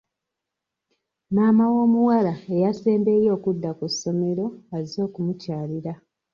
Maama w'omuwala eyasembyeyo okudda ku ssomero azze okumukyalira.